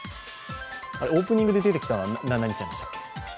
オープニングで出てきたのは何ちゃんでしたっけ？